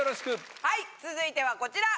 はい続いてはこちら！